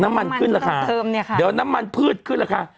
น้ำมันขึ้นราคาเดี๋ยวน้ำมันพืชขึ้นราคา